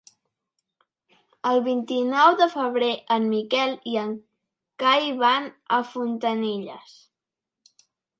El vint-i-nou de febrer en Miquel i en Cai van a Fontanilles.